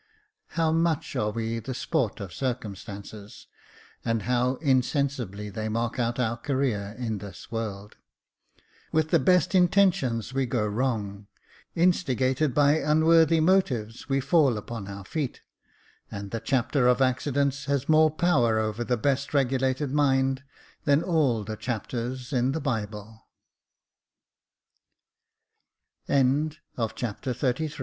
How much are we the sport of circumstances, and how insensibly they mark out our career in this world ! With the best intentions we go wrong ; instigated by unworthy motives, we fall upon our feet, and the chapter of accidents has more power over the best regulated mind than all the chapters